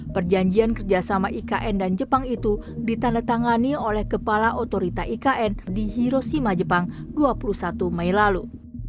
perjanjian kerjasama ikn dan jepang itu ditandatangani oleh kepala otorita ikn di hiroshima jepang dua puluh satu mei lalu